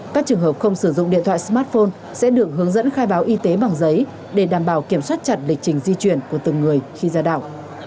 các trường hợp không sử dụng điện thoại smartphone sẽ được hướng dẫn khai báo y tế bằng giấy để đảm bảo kiểm soát chặt lịch trình di chuyển của từng người khi ra đảo